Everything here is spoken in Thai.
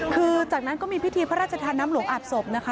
คือจากนั้นก็มีพิธีพระราชทานน้ำหลวงอาบศพนะคะ